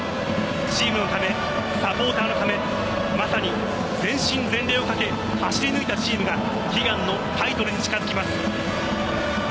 チームのため、サポーターのためまさに全身全霊をかけ走り抜いたチームが悲願のタイトルに近づきます